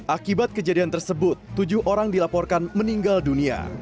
akibat kejadian tersebut tujuh orang dilaporkan meninggal dunia